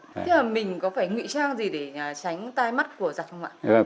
thế là mình có phải ngụy trang gì để tránh tai mắt của giặc không ạ